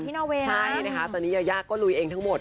ใช่นะคะตอนนี้ยาก็ลุยเองทั้งหมด